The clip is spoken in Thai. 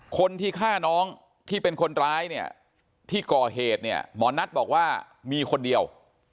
คนที่ฆ่าน้องที่เป็นคนร้ายเนี่ยที่ก่อเหตุเนี่ยหมอนัทบอกว่ามีคนเดียว